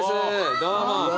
どうも。